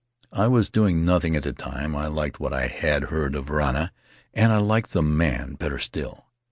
I was doing nothing at the time. I liked what I had heard of Varana, and I liked the man better still.